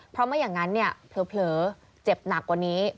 เพราะไม่อย่างนั้นเนี่ยเผลอเจ็บหนักกว่านี้